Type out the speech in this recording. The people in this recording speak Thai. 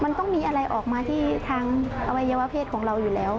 มันต้องมีอะไรออกมาที่ทางอวัยวะเพศของเราอยู่แล้ว